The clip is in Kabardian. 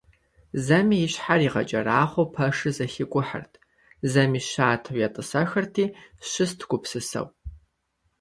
Зэми и щхьэр игъэкӀэрахъуэу пэшыр зэхикӀухьырт, зэми щатэу етӀысэхырти щыст гупсысэу.